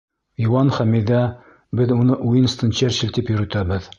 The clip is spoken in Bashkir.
Йыуан Хәмиҙә, беҙ уны Уинстон Черчилль тип йөрөтәбеҙ.